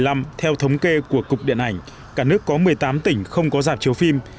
năm hai nghìn một mươi năm theo thống kê của cục điện ảnh cả nước có một mươi tám tỉnh không có giảm chiếu phim